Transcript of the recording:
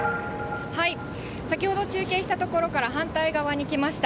先ほど中継した所から反対側に来ました。